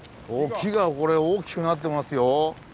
木がこれ大きくなってますよ。